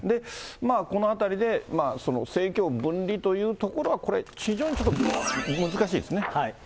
このあたりで、政教分離というところはこれ、非常にちょっと難しいですね。